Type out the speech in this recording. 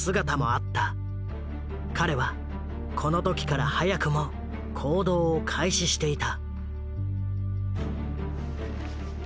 彼はこの時から早くも行動を開始していた。